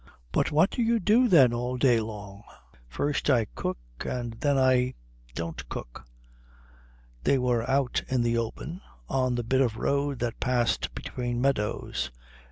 But what do you do then all day long?" "First I cook, and then I don't cook." They were out in the open, on the bit of road that passed between meadows.